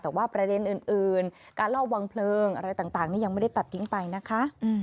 แต่ว่าประเด็นอื่นการเล่าวางเพลิงอะไรต่างนี่ยังไม่ได้ตัดทิ้งไปนะคะ